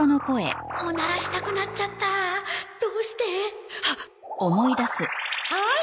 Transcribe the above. オナラしたくなっちゃったどうして！？はっ！はーい。